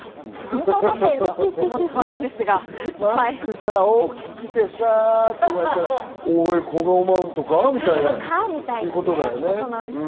マスク大きくてさって言われて、小顔マウントか？みたいなということだよね。